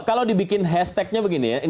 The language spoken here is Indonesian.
kalau dibikin hashtagnya begini